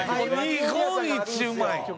日本一うまい！